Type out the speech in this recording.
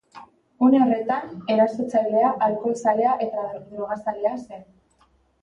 Une horretan, erasotzailea alkohol-zalea eta drogazalea zen.